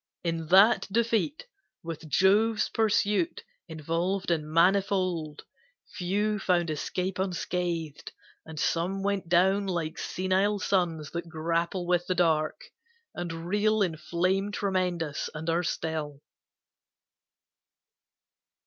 In that defeat, With Jove's pursuit involved and manifold, Few found escape unscathed, and some went down Like senile suns that grapple with the dark, And reel in flame tremendous, and are still.